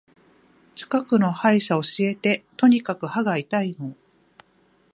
近くの歯医者教えて。とにかく歯が痛いの。